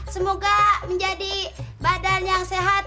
semoga menjadi badan yang sehat